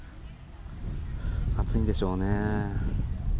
暑いんでしょうね。